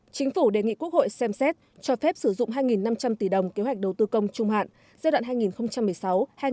chính phủ đề nghị quốc hội xem xét cho phép sử dụng hai năm trăm linh tỷ đồng kế hoạch đầu tư công trung hạn